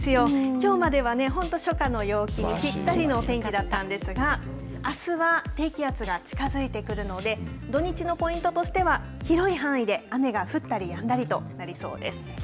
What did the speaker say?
きょうまでは本当に初夏の陽気にぴったりのお天気だったんですがあすは低気圧が近づいてくるので土日のポイントとしては広い範囲で雨が降ったりやんだりとなりそうです。